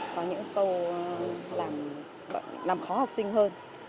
có những câu làm khó học sinh hơn